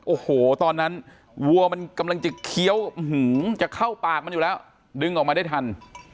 โอ้โหตอนนั้นวัวมันกำลังจะเคี้ยวจะเข้าปากมันอยู่แล้วดึงออกมาได้ทัน